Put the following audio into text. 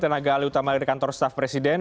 tenaga alih utama dari kantor staff presiden